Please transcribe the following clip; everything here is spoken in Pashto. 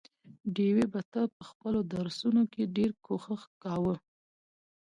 ډېوې به تل په خپلو درسونو کې ډېر کوښښ کاوه،